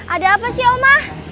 ada apa sih oma